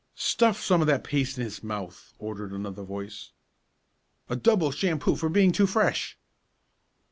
"Stuff some of that paste in his mouth!" ordered another voice. "A double shampoo for being too fresh!"